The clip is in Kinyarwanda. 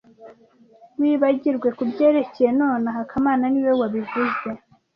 Wibagirwe kubyerekeye nonaha kamana niwe wabivuze